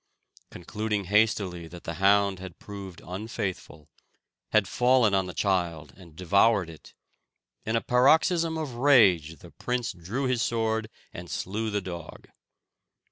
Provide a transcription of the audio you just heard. Concluding hastily that the hound had proved unfaithful, had fallen on the child and devoured it, in a paroxysm of rage the prince drew his sword and slew the dog.